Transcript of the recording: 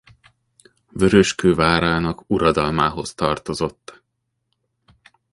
Vöröskő várának uradalmához tartozott.